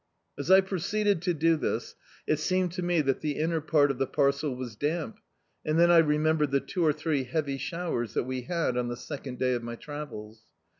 As I proceeded to do this, it seemed to me that the inner part of the parcel was damp, and then I re membered the two or three heavy showers that we had on the second day of my travels.